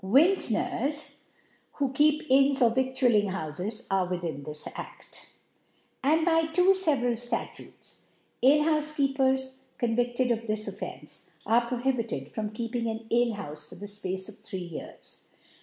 Vintners, who keep Inns or Viiftiialltng houfts, are within this Aft §. And by two feveral Statutes t, Alchbtjfe keepers, ,convifted of this Offtnccf, are pro hibited from keeping an Alehoufe for the Space of three Years.